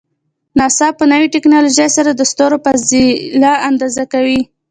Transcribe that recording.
ناسا په نوی ټکنالوژۍ سره د ستورو فاصله اندازه کوي.